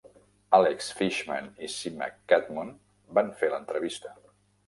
Alex Fishman i Sima Kadmon van fer l'entrevista.